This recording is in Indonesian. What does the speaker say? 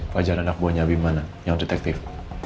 fajar anak buahnya abimana yang detektif